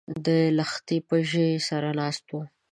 د لښتي په ژۍ سره ناست و